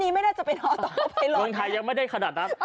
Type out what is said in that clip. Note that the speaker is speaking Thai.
มันยังไม่ได้ขนาดนั้น